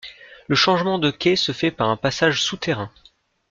Le changement de quai se fait par un passage souterrain.